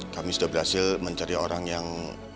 kami sudah berhasil mencari orang yang